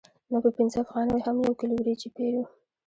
نو په پنځه افغانیو هم یو کیلو وریجې پېرو